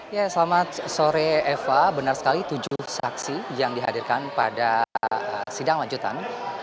ya selamat sore eva benar sekali tujuh saksi yang dihadirkan pada sidang lanjutan